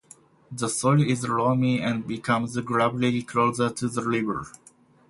The soil is loamy and becomes gravelly closer to the river.